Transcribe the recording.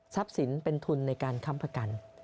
สินเป็นทุนในการค้ำประกัน